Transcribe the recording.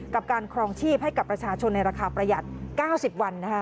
กับการครองชีพให้กับประชาชนในราคาประหยัด๙๐วัน